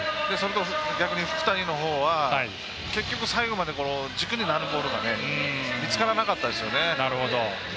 逆に、福谷のほうが結局、最後まで軸になるボールが見つからなかったですよね。